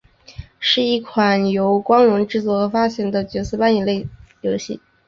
是一款由光荣制作和发行的角色扮演类游戏。